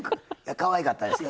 かわいかったですよ